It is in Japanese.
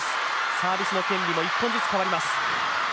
サービスの権利も１本ずつ変わります。